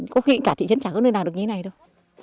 có khi cả thị trấn chẳng có nơi nào được như thế này đâu